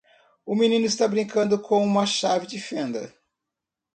Um menino está brincando com uma chave de fenda.